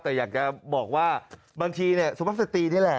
แต่อยากจะบอกว่าบางทีสุภาพสตรีนี่แหละ